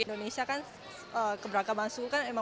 indonesia kan keberagaman suhu kan